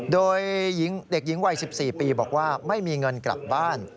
โดยเด็กหญิงวัย๑๔ปีบอกว่าไม่มีเงินกลับบ้าน